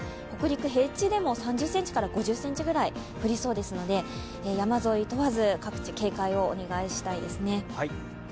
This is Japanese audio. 北陸、平地でも３０５０ｃｍくらい降りそうですので山沿い問わず、各地、警戒をお願いしたいですね。